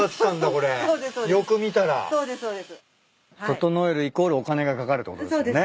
整えるイコールお金がかかるってことですよね。